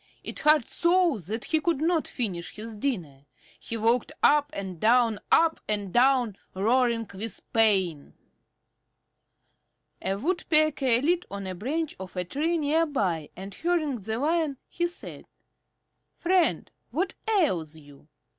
It hurt so that he could not finish his dinner. He walked up and down, up and down, roaring with pain. A Woodpecker lit on a branch of a tree near by, and hearing the Lion, she said, "Friend, what ails you?"